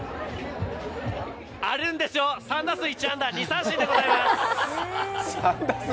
あるんですよ、３打数１安打２三振でございます。